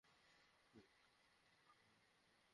আপনাদের মধ্যে একজন আসেন।